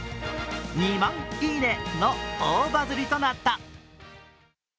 ２万「いいね」の大バズりとなった。